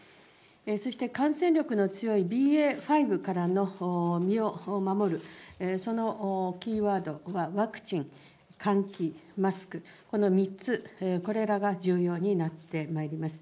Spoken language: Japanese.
そして感染力の強いＢＡ．５からの身を守る、そのキーワードはワクチン、換気、マスク、この３つ、これらが重要になってまいります。